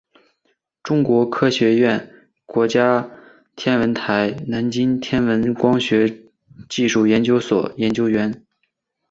中国科学院国家天文台南京天文光学技术研究所研究员。